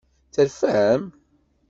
Terfam?